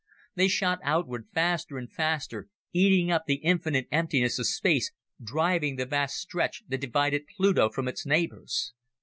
They shot outward, faster and faster, eating up the infinite emptiness of space, driving the vast stretch that divided Pluto from its neighbors.